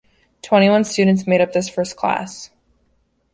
Twenty-one students made up this first class.